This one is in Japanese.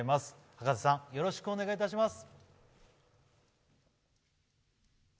葉加瀬さん、よろしくお願いいたします。